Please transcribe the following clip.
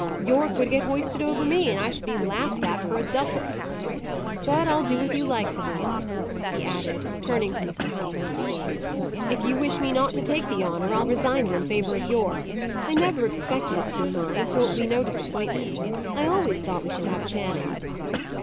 Yorke would get hoisted over me, and I should be laughed at for a duffer. But I'll do as you like, papa," he added, turning to Mr. Huntley. "If you wish me not to take the honour, I'll resign it in favour of Yorke. I never expected it to be mine, so it will be no disappointment; I always thought we should have Channing."